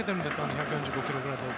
１４５キロくらいを。